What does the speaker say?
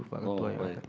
pak haris dan pak said didu